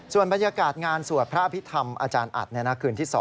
ส่วนบรรยากาศงานสวัสดิ์พระพิธรรมอาจารย์อัดในหน้าคืนที่๒